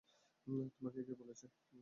তোমাকে কে বলেছে?